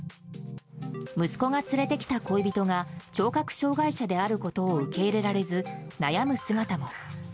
息子が連れてきた恋人が聴覚障害者であることを受け入れられず、悩む姿も。